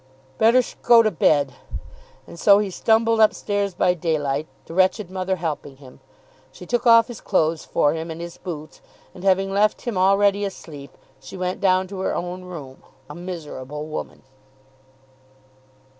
"Bettersh go to bed." And so he stumbled up stairs by daylight, the wretched mother helping him. She took off his clothes for him and his boots, and having left him already asleep, she went down to her own room, a miserable woman.